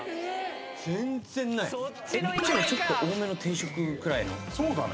言っちゃえばちょっと多めの定食くらいの感じ。